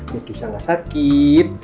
biar kesya gak sakit